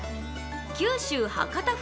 九州・博多風